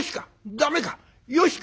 駄目か？